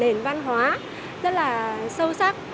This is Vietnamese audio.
nền văn hóa rất là sâu sắc